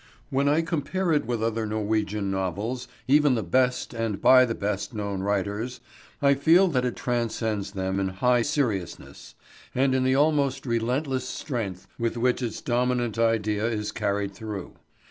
When I compare it with other Norwegian novels, even the best and by the best known writers, I feel that it transcends them in its high seriousness, and in the almost relentless strength with which its dominant idea is carried through.